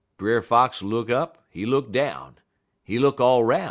"Brer Fox look up, he look down, he look all 'roun'.